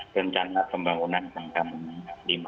tentang pembangunan rangka menang lima puluh